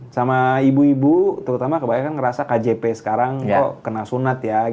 sama ibu ibu terutama kebanyakan ngerasa kjp sekarang kok kena sunat ya